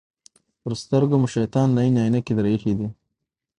پر سترګو مو شیطان لعین عینکې در اېښي دي.